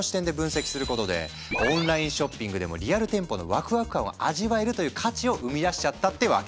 オンラインショッピングでもリアル店舗のワクワク感を味わえるという価値を生み出しちゃったってわけ。